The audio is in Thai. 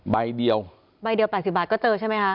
ใบเดียว๘๐บาทก็เจอใช่ไหมคะ